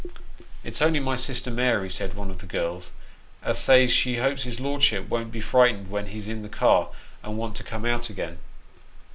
" It's only my sister Mary," said one of the girls, " as says she hopes his lordship won't be frightened when he's in the car, and want to come out again."